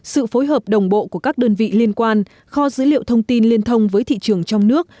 sự phối hợp đồng bộ của các đơn vị liên quan kho dữ liệu thông tin liên thông với thị trường trong nước